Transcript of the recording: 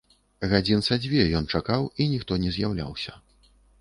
Гадзін са дзве ён чакаў, і ніхто не з'яўляўся.